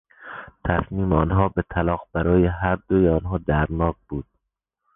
تصمیم آنها به طلاق برای هر دوی آنها دردناک بود.